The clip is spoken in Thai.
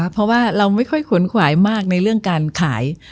เพราะว่าเราไม่ค่อยขนขวายมากในเรื่องการขาย